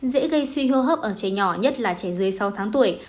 dễ gây suy hô hấp ở trẻ nhỏ nhất là trẻ dưới sáu tháng tuổi